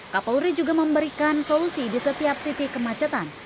kapolri juga memberikan solusi di setiap titik kemacetan